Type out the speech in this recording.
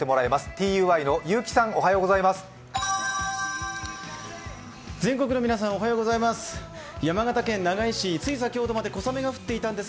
ＴＵＹの結城さんおはようございます。